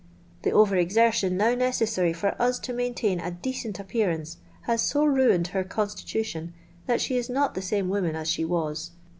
The over exertion now necessary for us to main tain :i decent appearance, has »o ruined her con stitution that she is not the same woman as she was.